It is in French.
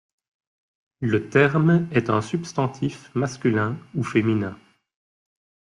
Le terme est un substantif masculin ou féminin.